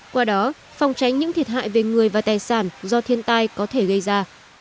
qua đó phòng tránh những thiệt hại về người và tài sản do thiên tai có thể gây ra